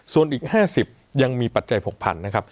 ส่วนอีก๕๐ยังมีปัจจัยผูกพันนะครับ